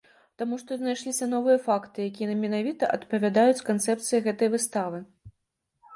Таму што знайшліся новыя факты, якія менавіта адпавядаюць канцэпцыі гэтай выставы.